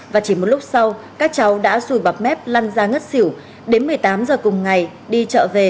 và chỉ một lúc sau các cháu đã sùi bọc mép lăn ra ngất xỉu đến một mươi tám giờ cùng ngày đi chợ về